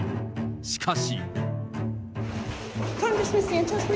しかし。